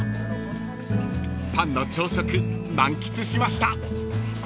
［パンの朝食満喫しました］